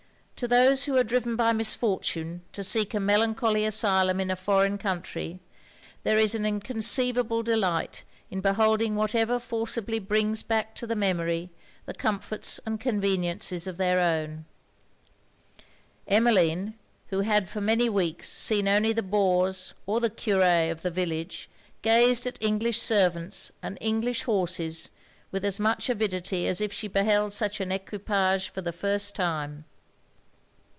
To those who are driven by misfortune to seek a melancholy asylum in a foreign country, there is an inconceivable delight in beholding whatever forcibly brings back to the memory, the comforts and conveniences of their own: Emmeline, who had for many weeks seen only the boors or the curé of the village, gazed at English servants and English horses with as much avidity as if she beheld such an equipage for the first time.